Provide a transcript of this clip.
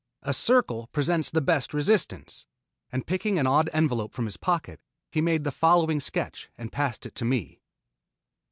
A circle presents the best resistance," and picking an odd envelope from his pocket, he made the following sketch and passed it to me.